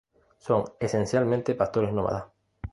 Son esencialmente pastores nómadas.